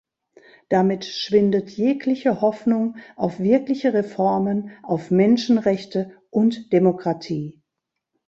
Damit schwindet jegliche Hoffnung auf wirkliche Reformen, auf Menschenrechte und Demokratie.